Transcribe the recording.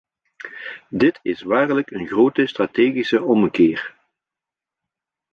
Dit is waarlijk een grote strategische ommekeer.